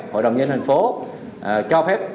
hội đồng nhân dân tp hcm cho phép